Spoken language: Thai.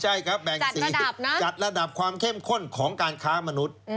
ใช่ครับแบ่งสีจัดระดับความเข้มข้นของการค้ามนุษย์